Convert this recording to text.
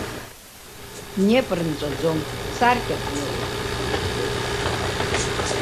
Днепр нҵәаӡом, саркьатә мҩоуп.